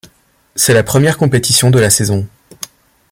C'est la première compétition de la saison.